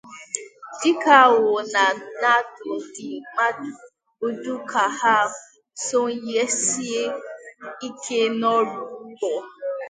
Dịka ọ na-adụ ndị mmadụ ọdụ ka ha sonyesie ike n'ọrụ ugbo